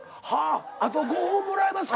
あと５本もらえますか？